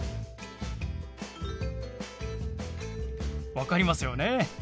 分かりますよね？